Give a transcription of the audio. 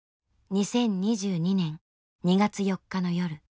２０２２年２月４日の夜。